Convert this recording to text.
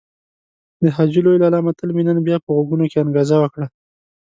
د حاجي لوی لالا متل مې نن بيا په غوږونو کې انګازه وکړه.